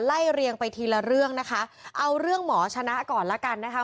เรียงไปทีละเรื่องนะคะเอาเรื่องหมอชนะก่อนละกันนะคะ